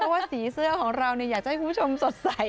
เพราะว่าสีเสื้อของเราอยากจะให้คุณผู้ชมสดใส